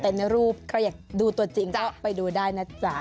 เป็นรูปเขาอยากดูตัวจริงไปดูได้นะจ๊ะ